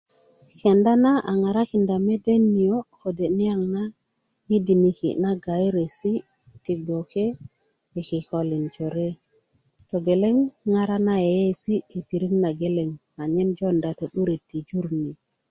kenda na a ŋarakinda mede niyo' kode' niyaŋ na yi diniki' na gayeresi' ti gboke yi kikolin jore togeleŋ ŋara na yeiyeesi' yi pirit na geleŋ anyen jounda to'duret yi jur ni